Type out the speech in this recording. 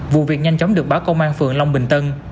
vụ việc nhanh chóng được báo công an phường long bình tân